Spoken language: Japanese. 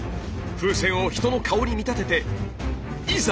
風船を人の顔に見立てていざ！